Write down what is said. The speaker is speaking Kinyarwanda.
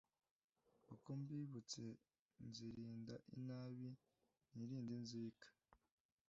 Uko mbibutse nzirinda inabi, nirinde inzika,